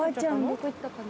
どこ行ったかな？